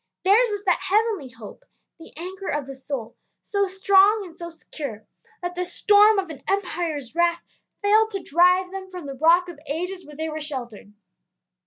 Theirs was that heavenly hope, the anchor of the soul, so strong and so secure that the storm of an empire's wrath failed to drive them from the Rock of Ages where they were sheltered.